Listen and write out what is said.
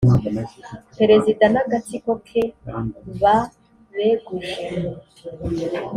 perezida nagatsiko ke ba beguje.